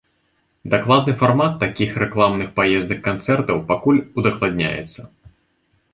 Дакладны фармат такіх рэкламных паездак-канцэртаў пакуль удакладняецца.